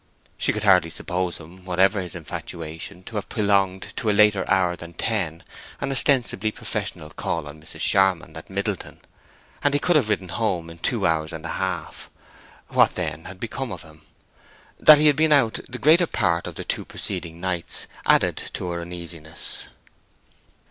She could hardly suppose him, whatever his infatuation, to have prolonged to a later hour than ten an ostensibly professional call on Mrs. Charmond at Middleton; and he could have ridden home in two hours and a half. What, then, had become of him? That he had been out the greater part of the two preceding nights added to her uneasiness.